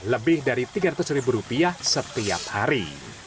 lebih dari rp tiga ratus setiap hari